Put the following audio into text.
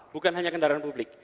bukan hanya kendaraan publik